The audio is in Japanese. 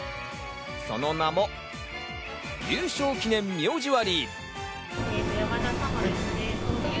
その名も、「優勝記念名字割」。